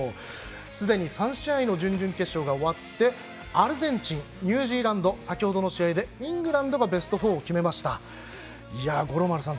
すでに３試合の準々決勝が終わってアルゼンチン、ニュージーランド先程の試合でイングランドもベスト４を決めました。